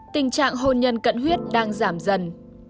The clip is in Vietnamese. tình trạng hôn nhân cận huyết đang giảm dần